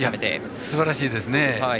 すばらしいですね。